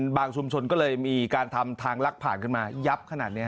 ชุมชนก็เลยมีการทำทางลักผ่านขึ้นมายับขนาดนี้